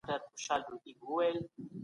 یوازې مرګ انسان له ناروغیو ژغوري.